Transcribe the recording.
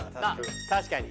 確かに。